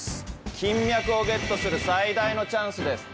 金脈をゲットする最大のチャンスです。